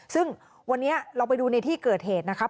ซึ่งวันนี้เราไปดูในที่เกิดเหตุนะครับ